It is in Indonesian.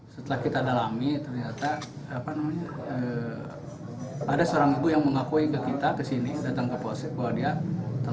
setelah kita dalami ternyata ada seorang ibu yang mengakui ke kita ke sini datang ke posek